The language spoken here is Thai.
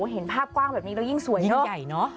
เห็นภาพกว้างแบบนี้แล้วยิ่งสวยยิ่งใหญ่เนอะ